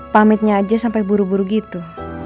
pamitnya aja sampai buru buru gitu